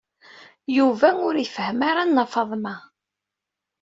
Yuba ur ifehhem ara Nna Faḍma.